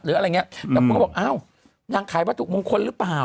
หรืออะไรอย่างเงี้ยนางก็บอกว่าอ้าวนางขายประตุงงคลหรือเปล่า